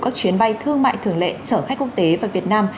các chuyến bay thương mại thường lệ chở khách quốc tế và việt nam